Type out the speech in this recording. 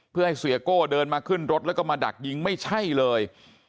เพื่อให้เสียโก้เดินมาขึ้นรถแล้วก็มาดักยิงไม่ใช่เลย